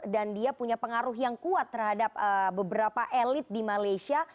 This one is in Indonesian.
dan dia punya pengaruh yang kuat terhadap beberapa elit di malaysia